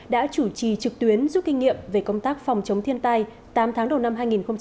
đã chủ trì trực tuyến giúp kinh nghiệm về công tác phòng chống thiên tai tám tháng đầu năm hai nghìn hai mươi